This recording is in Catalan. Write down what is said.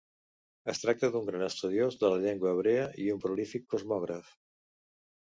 Es tracta d'un gran estudiós de la llengua hebrea i un prolífic cosmògraf.